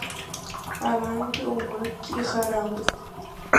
Арантәи оумакгьы ихарамызт.